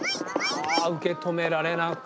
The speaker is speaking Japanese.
あ受け止められなく。